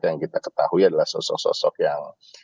yang kita ketahui adalah sosok sosok yang